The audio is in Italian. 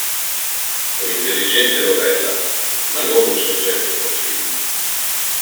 Un'intelligente novella, ma non un soggetto per film.